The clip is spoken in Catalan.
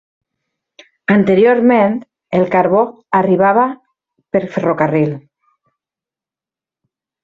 Anteriorment, el carbó arribava per ferrocarril.